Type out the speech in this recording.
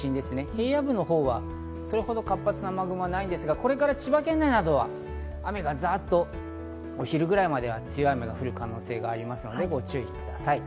平野部のほうはそれほど活発な雨雲はないですが、これから千葉県内などは雨がザっとお昼ぐらいまでは強い雨が降る可能性がありますのでご注意ください。